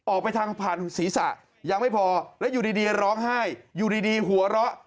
ออกไปทางผ่านศีรษะยังไม่พอแล้วอยู่ดีร้องไห้อยู่ดีหัวเราะ